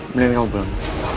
beneran kamu belum